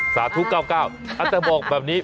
สาธุ๙๙แต่บอกแบบนี้